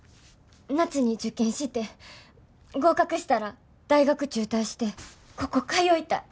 夏に受験して合格したら大学中退してここ通いたい。